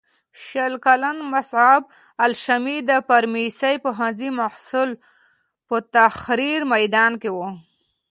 شل کلن مصعب الشامي د فارمسۍ پوهنځي محصل په تحریر میدان کې و.